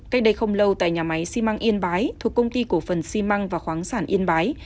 cách đây không lâu tại nhà máy xi măng yên bái thuộc công ty cổ phần xi măng và khoáng sản yên bái